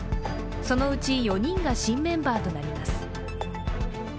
そのうち４人が新メンバーとなります。